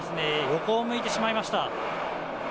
横を向いてしまいました。